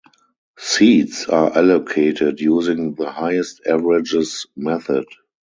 Seats are allocated using the highest averages method.